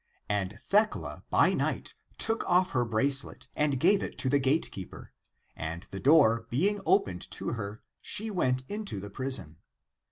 And Thecla, by night, took off her bracelet and gave it to the gatekeeper; and the door being opened to her, she went into the prison.